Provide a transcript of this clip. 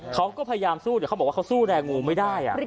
เขาก็พยายามสู้แต่เขาบอกว่าเขาสู้แรงงูไม่ได้